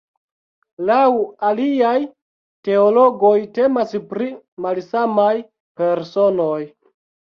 Laŭ aliaj teologoj temas pri malsamaj personoj.